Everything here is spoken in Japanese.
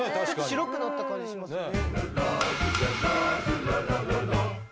白くなった感じしますよね。